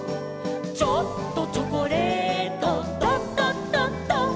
「ちょっとチョコレート」「ドドドド」